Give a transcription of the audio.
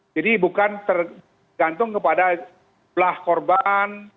jadi bukan tergantung kepada belah korban